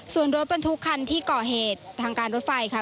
ส่วนรถบรรทุกคันที่ก่อเหตุทางการรถไฟค่ะ